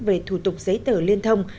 về thủ tục giấy tờ liên thông